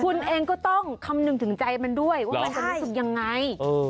คุณเองก็ต้องคำนึงถึงใจมันด้วยว่ามันจะรู้สึกยังไง